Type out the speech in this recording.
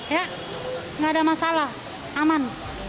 ya nggak ada masalah aman